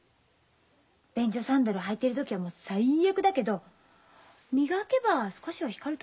便所サンダル履いてる時はもう最悪だけど磨けば少しは光ると思うよ。